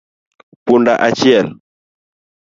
Punda achiel